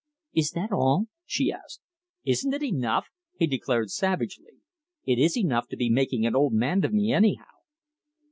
"Is that all?" she asked. "Isn't it enough?" he declared savagely. "It is enough to be making an old man of me, anyhow."